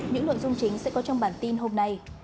những nội dung chính sẽ có trong bản tin hôm nay